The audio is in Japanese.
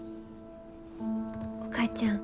お母ちゃん。